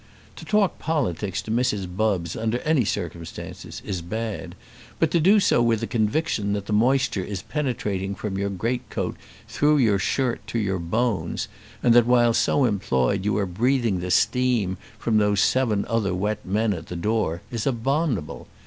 To talk politics to Mrs. Bubbs under any circumstances is bad, but to do so with the conviction that the moisture is penetrating from your greatcoat through your shirt to your bones, and that while so employed you are breathing the steam from those seven other wet men at the door, is abominable.